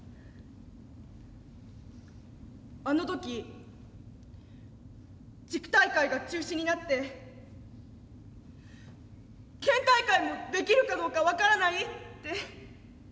あの時地区大会が中止になって県大会もできるかどうか分からないって。